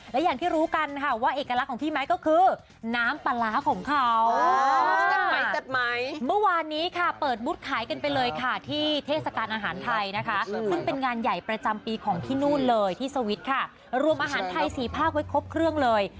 และอย่างที่รู้กันค่ะว่าเอกลักษณ์ของพี่ไมค์ก็คือ